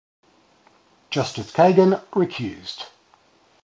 Justice Kagan recused.